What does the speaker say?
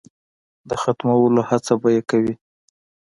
د ختمولو هڅه به یې کوي.